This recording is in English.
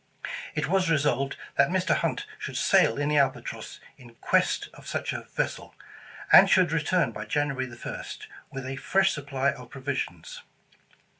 It was resolved that Mr. Hunt should sail in the Albatross in quest of such a vessel, and should return by January 1st, with a fresh supply of ])rovisions.